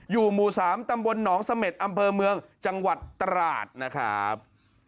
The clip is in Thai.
หมู่๓ตำบลหนองเสม็ดอำเภอเมืองจังหวัดตราดนะครับ